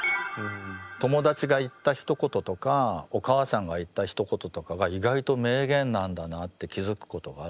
友達が言ったひと言とかお母さんが言ったひと言とかが意外と名言なんだなって気付くことがあると思う。